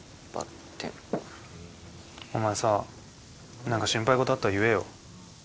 お前さなんか心配事あったら言えよ。